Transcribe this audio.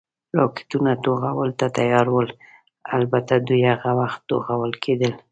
راکټونه، توغولو ته تیار ول، البته دوی هغه وخت توغول کېدل.